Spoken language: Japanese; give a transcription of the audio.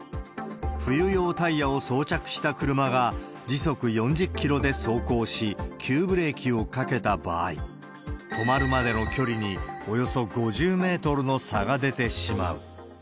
冬用タイヤを装着した車が、時速４０キロで走行し、急ブレーキをかけた場合、止まるまでの距離に、およそ５０メートルの差が出てしまう。